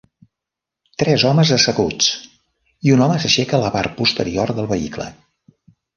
Tres homes asseguts, i un home s'aixeca a la part posterior del vehicle.